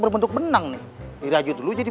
berbentuk benang nih dirajut dulu jadi